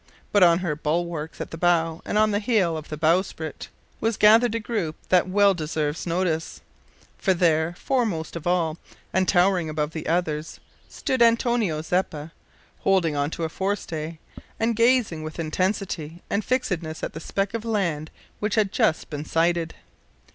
But on her bulwarks at the bow and on the heel of the bowsprit was gathered a group that well deserves notice, for there, foremost of all, and towering above the others, stood Antonio Zeppa, holding on to a forestay, and gazing with intensity and fixedness at the speck of land which had just been sighted.